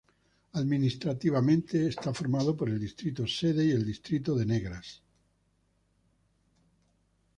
Administrativamente, es formado por el distrito sede y el distrito de Negras.